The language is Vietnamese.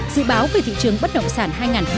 dự báo về thị trường bất động sản hai nghìn một mươi tám